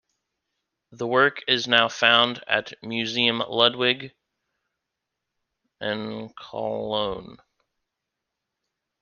The work is now to be found at Museum Ludwig in Cologne.